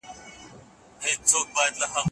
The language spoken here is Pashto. د منظومو کلمو زمزمه یې ډېره خوږه وه.